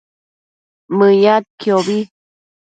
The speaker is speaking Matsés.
Mëyadquiobi